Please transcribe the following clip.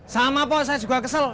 sama pak saya juga kesel